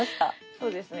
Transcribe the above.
そうですね。